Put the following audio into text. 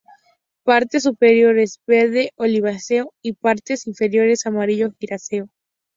Partes superiores verde oliváceo y partes inferiores amarillo grisáceo.